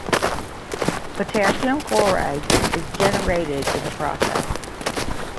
Potassium chloride is generated in the process.